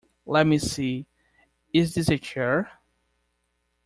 Let me see, is this a chair?